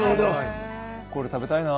これ食べたいな。